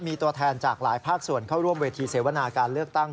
มีตัวแทนจากหลายภาคส่วนเข้าร่วมเวทีเสวนาการเลือกตั้ง